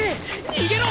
逃げろ！